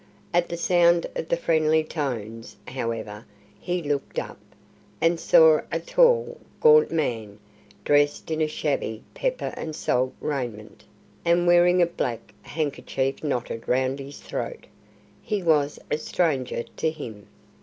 At the sound of the friendly tones, however, he looked up, and saw a tall, gaunt man, dressed in a shabby pepper and salt raiment, and wearing a black handkerchief knotted round his throat. He was a stranger to him.